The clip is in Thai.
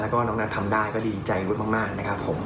แล้วก็น้องนัททำได้ก็ดีใจมากนะครับผม